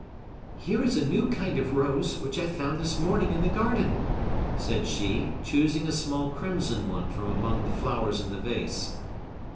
"Here is a new kind of rose, which I found this morning in the garden," said she, choosing a small crimson one from among the flowers in the vase.